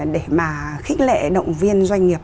để mà khích lệ động viên doanh nghiệp